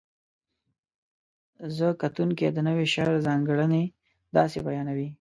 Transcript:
ره کتونکي د نوي شعر ځانګړنې داسې بیانوي: